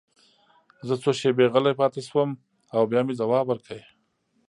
زه څو شېبې غلی پاتې شوم او بیا مې ځواب ورکړ